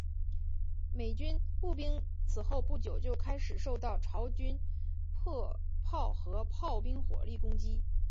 美军步兵此后不久就开始受到朝军迫炮和炮兵火力攻击。